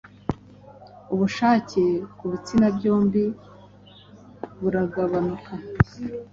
ubushake ku bitsina byombi buragabanuka,